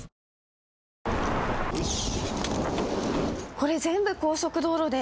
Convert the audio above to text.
これ全部高速道路で。